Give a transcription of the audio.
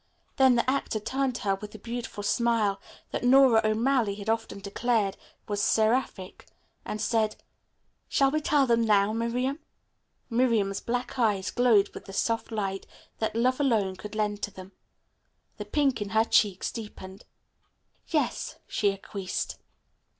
Then the actor turned to her with the beautiful smile, that Nora O'Malley had often declared was seraphic, and said: "Shall we tell them now, Miriam?" Miriam's black eyes glowed with the soft light that love alone could lend to them. The pink in her cheeks deepened. "Yes," she acquiesced.